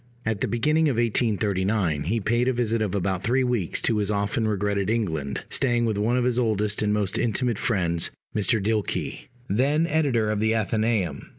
At the beginning of 1839 he paid a visit of about three weeks to his often regretted England, staying with one of his oldest and most intimate friends, Mr. Dilke, then editor of the Athenæum.